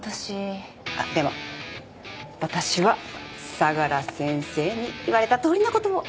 でも私は相良先生に言われたとおりの事を。